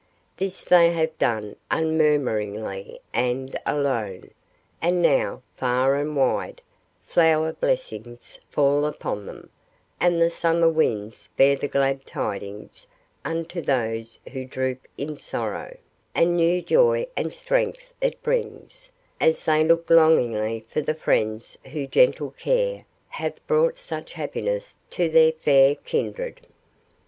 This they have done unmurmuringly and alone; and now, far and wide, flower blessings fall upon them, and the summer winds bear the glad tidings unto those who droop in sorrow, and new joy and strength it brings, as they look longingly for the friends whose gentle care hath brought such happiness to their fair kindred.